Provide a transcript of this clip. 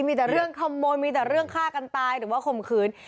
มีแต่เรื่องขโมยมีแต่เรื่องฆ่ากันตายหรือว่าข่มขืน